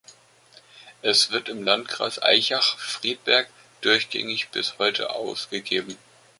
Es wird im Landkreis Aichach-Friedberg durchgängig bis heute ausgegeben.